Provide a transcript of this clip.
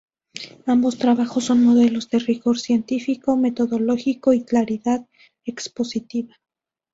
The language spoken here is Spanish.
Ambos trabajos son modelos de rigor científico, metodológico y claridad expositiva.